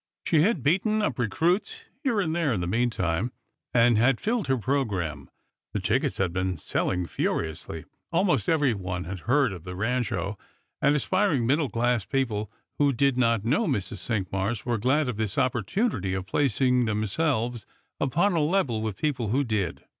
She had beaten up recruits here and there in the meantime, and had filled her programme. The tickets had been selling furiously. Almost everyone had heard of the Eancho ; and aspiring middle class people who did not know Mrs. Cinqmars were glad of this opportunity of placing themselves upon a level with people who did.